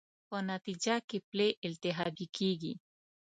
په نتېجه کې پلې التهابي کېږي.